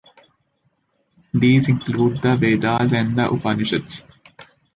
These include the Vedas and the Upanishads.